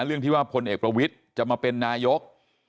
เรื่องที่ว่าพลเอกประวิทย์จะมาเป็นนายก